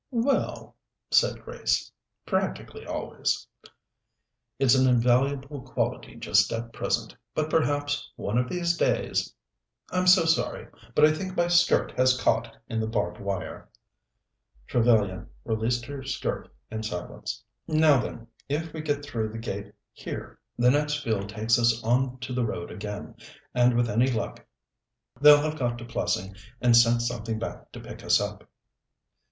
"Well," said Grace, "practically always." "It's an invaluable quality just at present, but perhaps one of these days " "I'm so sorry, but I think my skirt has caught in the barbed wire." Trevellyan released her skirt in silence. "Now, then, if we get through the gate here, the next field takes us on to the road again, and with any luck they'll have got to Plessing and sent something back to pick us up."